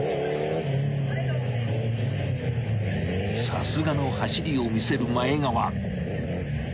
［さすがの走りを見せる前川］